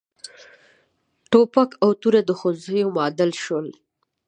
ټوپک او توره د ښوونځیو معادل شول.